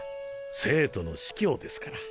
聖都の司教ですから。